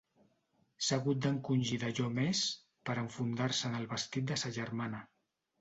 S'ha hagut d'encongir d'allò més per a enfundar-se en el vestit de sa germana.